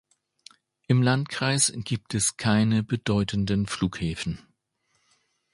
Im Landkreis gibt es keine bedeutenden Flughäfen.